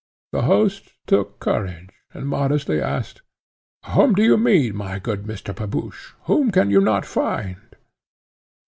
The host took courage, and modestly asked, "Whom do you mean, my good Mr. Pepusch? Whom can you not find?"